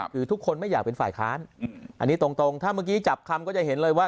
คือทุกคนไม่อยากเป็นฝ่ายค้านอันนี้ตรงถ้าเมื่อกี้จับคำก็จะเห็นเลยว่า